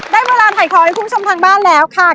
ได้เวลาถ่ายของของให้ขุมชมทางบ้านเราแล้วค่ะ